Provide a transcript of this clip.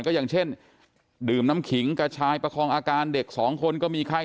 ก็อย่างเช่นดื่มน้ำขิงกระชายประคองอาการเด็กสองคนก็มีไข้